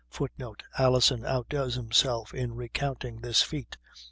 [Footnote: Alison outdoes himself in recounting this feat.